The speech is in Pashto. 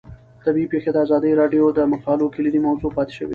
طبیعي پېښې د ازادي راډیو د مقالو کلیدي موضوع پاتې شوی.